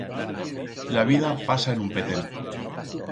La vida pasa en un petén.